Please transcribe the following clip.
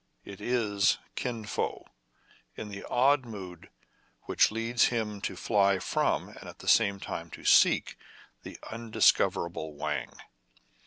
It is Kin Fo, in the odd mood which leads him to fly from, and at the same time to seek, the undiscoverable Wang.